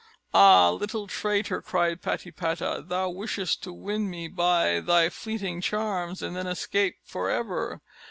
"Ah, little traitor!" cried Patipata, "thou wishest to win me by thy fleeting charms, and then escape for ever.